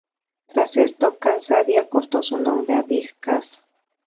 Tras esto, Cassady acortó su nombre a Big Cass.